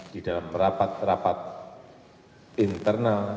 di dalam rapat rapat internal